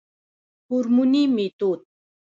هورموني ميتود